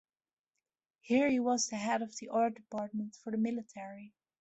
Here he was the head of the art department for the military.